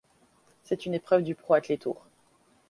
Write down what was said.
C'est une épreuve du Pro Athlé Tour.